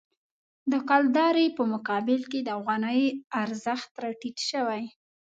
د کلدارې په مقابل کې د افغانۍ ارزښت راټیټ شوی.